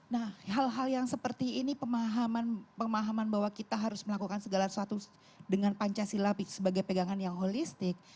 nah hal hal yang seperti ini pemahaman bahwa kita harus melakukan segala sesuatu dengan pancasila sebagai pegangan yang holistik